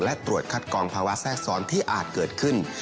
และตรวจคัดกรองภาวะแทรกซ้อนที่อาจเกิดขึ้น